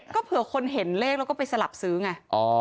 ก็เผื่อคนเห็นเลขแล้วก็ไปสลับซื้อไง